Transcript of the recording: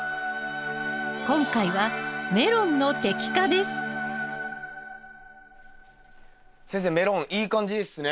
今回は先生メロンいい感じっすね。